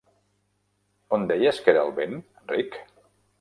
On deies que era el vent, Rick?